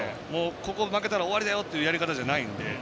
ここ負けたら終わりだよというようなやり方じゃないんで。